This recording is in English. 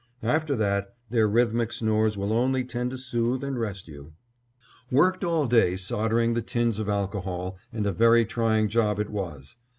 After that, their rhythmic snores will only tend to soothe and rest you. Worked all day soldering the tins of alcohol, and a very trying job it was.